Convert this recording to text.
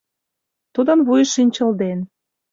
Тудын вуйыш шинчылден